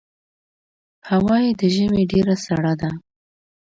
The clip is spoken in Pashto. هوا یې د ژمي ډېره سړه ده.